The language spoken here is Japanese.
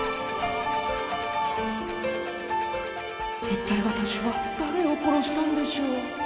一体私は誰を殺したんでしょう？